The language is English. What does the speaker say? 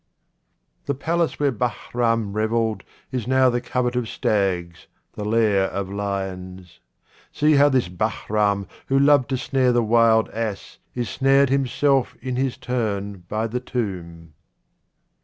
The palace where Bahram revelled is now the covert of stags, the lair of lions. See how this Bahram who loved to snare the wild ass is snared himself in his turn by the tomb.